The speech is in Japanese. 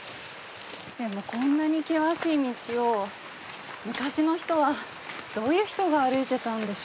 でもこんなに険しい道を昔の人はどういう人が歩いてたんでしょうか。